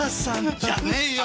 じゃねえよ